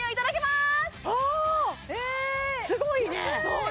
すごいね！